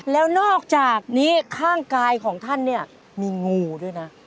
แล้วนอกจากนี้ข้างกายของท่านเนี่ยมีงูด้วยนะ